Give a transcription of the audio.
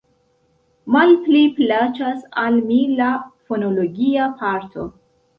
Malpli plaĉas al mi la fonologia parto.